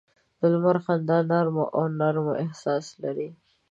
د لمر خندا نرمه او نرم احساس لري